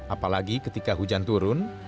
apalagi ketika hujan turun